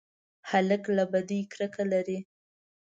هلک له بدۍ کرکه لري.